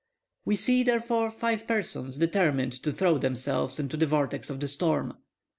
We see, therefore, five persons determined to throw themselves into the vortex of the storm.